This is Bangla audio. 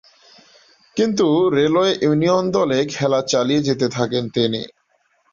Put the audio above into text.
কিন্তু রেলওয়ে ইউনিয়ন দলে খেলা চালিয়ে যেতে থাকেন তিনি।